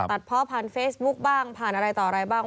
เพาะผ่านเฟซบุ๊คบ้างผ่านอะไรต่ออะไรบ้าง